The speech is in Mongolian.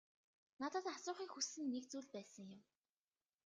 Надад асуухыг хүссэн нэг зүйл байсан юм.